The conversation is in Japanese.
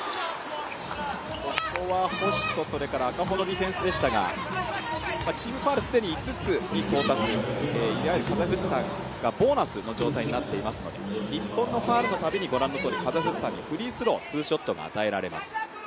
ここは星と赤穂のディフェンスでしたが、チームファウルが既に５つに到達、いわゆるカザフスタンがボーナスの状態になっていますので日本のファウルの度にご覧のとおりカザフスタンにフリースローツーショットが与えられます。